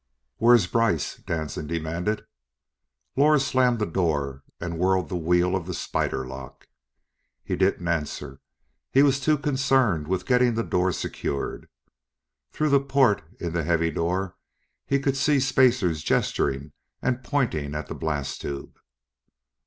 "Where's Brice," Danson demanded. Lors slammed the door and whirled the wheel of the spider lock. He didn't answer. He was too concerned with getting the door secured. Through the port in the heavy door, he could see spacers gesturing and pointing at the blast tube.